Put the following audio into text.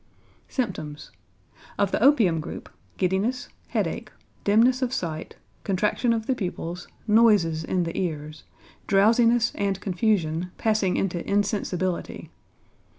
Symptoms. Of the opium group, giddiness, headache, dimness of sight, contraction of the pupils, noises in the ears, drowsiness and confusion, passing into insensibility.